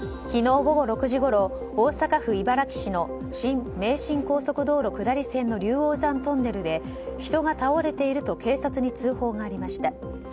昨日午後６時ごろ大阪府茨木市の新名神高速道路下り線の竜王山トンネルで人が倒れていると警察に通報がありました。